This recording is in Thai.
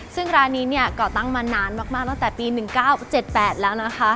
ซึ่งร้านนี้เนี่ยก่อตั้งมานานมากตั้งแต่ปี๑๙๗๘แล้วนะคะ